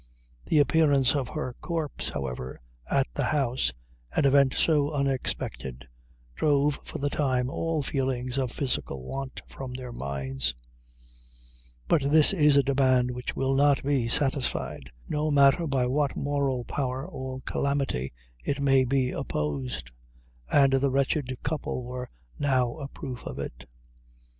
The appearance of her corpse, however, at the house, an event so unexpected, drove, for the time, all feelings of physical want from their minds; but this is a demand which will not be satisfied, no matter by what moral power or calamity it may be opposed, and the wretched couple were now a proof of it.